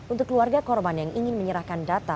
untuk keluarga korban yang ingin menyerahkan data